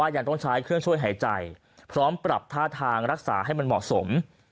ยังต้องใช้เครื่องช่วยหายใจพร้อมปรับท่าทางรักษาให้มันเหมาะสม